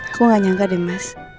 aku gak nyangka deh mas